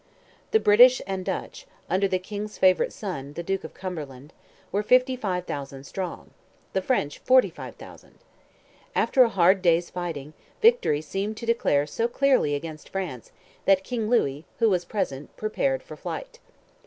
The British and Dutch, under the King's favourite son, the Duke of Cumberland, were 55,000 strong; the French 45,000. After a hard day's fighting, victory seemed to declare so clearly against France, that King Louis, who was present, prepared for flight.